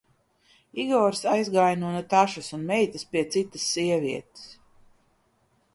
Igors aizgāja no Natašas un meitas pie citas sievietes.